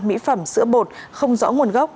mỹ phẩm sữa bột không rõ nguồn gốc